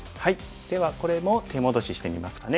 ではこれも手戻ししてみますかね。